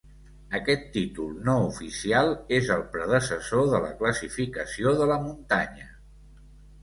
Aquest títol no oficial és el predecessor de la classificació de la muntanya.